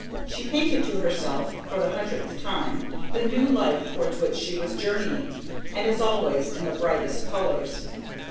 She painted to herself, for the hundredth time, the new life towards which she was journeying, and, as always, in the brightest colours.